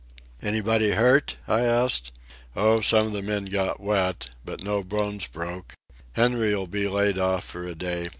"Anybody hurt?" I asked. "Oh, some of the men got wet. But no bones broke. Henry'll be laid off for a day.